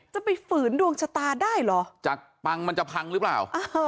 ไปฝืนดวงชะตาได้เหรอจากปังมันจะพังหรือเปล่า